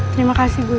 terima kasih guru